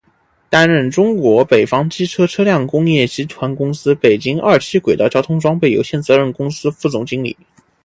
担任中国北方机车车辆工业集团公司北京二七轨道交通装备有限责任公司副总经理。